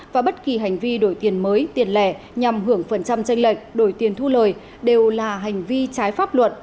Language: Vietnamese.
và bất kỳ hành vi đổi tiền mới tiền lẻ nhằm hưởng phần trăm tranh lệch đổi tiền thu lời đều là hành vi trái pháp luật